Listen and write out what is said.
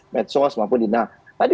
medsos maupun di nah tadi